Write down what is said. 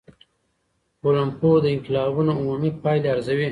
ټولنپوه د انقلابونو عمومي پایلي ارزوي.